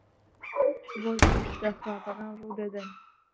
بۆچی شتە خراپەکان ڕوو دەدەن؟